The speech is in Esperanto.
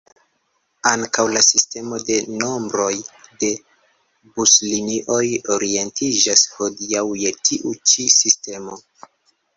Ankaŭ la sistemo de nombroj de buslinioj orientiĝas hodiaŭ je tiu ĉi sistemo.